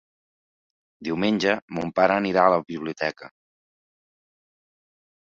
Diumenge mon pare anirà a la biblioteca.